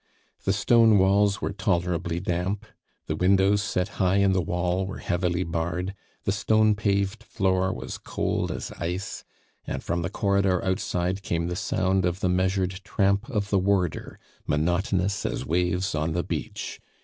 The stone walls were tolerably damp. The windows, set high in the wall, were heavily barred; the stone paved floor was cold as ice, and from the corridor outside came the sound of the measured tramp of the warder, monotonous as waves on the beach.